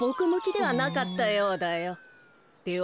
では。